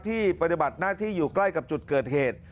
ปฏิบัติหน้าที่อยู่ใกล้กับจุดเกิดเหตุ